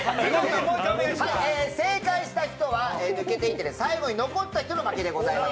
正解した人は抜けていって最後に残った人の負けです